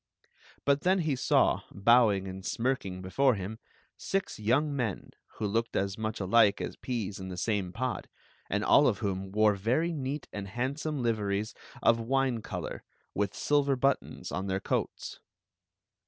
Story of the Magic Cloak 109 But then he saw, bowing and smiricing before him, six young men, who looked as much alike as peas in the same pod, and all of whom wore very neat and handsome liveries of wine color, with silver buttons on their coats.